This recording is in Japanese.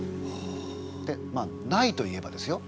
まあないといえばですよ